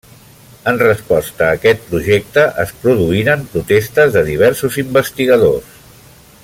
En resposta a aquest projecte es produïren protestes de diversos investigadors.